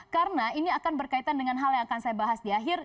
karena ini akan berkaitan dengan hal yang akan saya bahas di akhir